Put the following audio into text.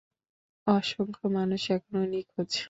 অসংখ্য মানুষ এখনও নিখোঁজ!